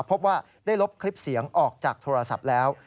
พบว่าได้ลบคลิปเสียงออกจากโทรศัพท์แล้ว